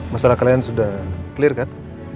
masalah kalian sudah clear kan